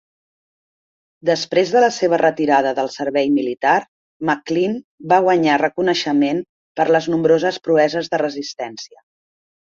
Després de la seva retirada del servei militar, McClean va guanyar reconeixement per les nombroses proeses de resistència.